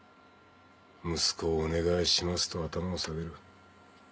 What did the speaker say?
息子をお願いしますと頭を下げる。